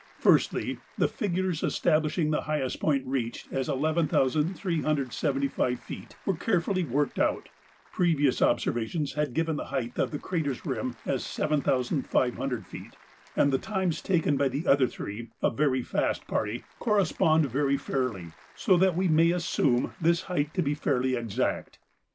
Firstly, the figures establishing the highest point reached as 11,375 feet were carefully worked out; previous observations had given the height of the crater's rim as 7,500 feet; and the times taken by the other three, a very fast party, correspond very fairly, so that we may assume this height to be fairly exact.